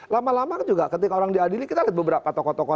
lama lama juga ketika orang diadili kita lihat beberapa tokoh tokoh